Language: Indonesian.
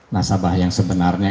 nasabah yang sebenarnya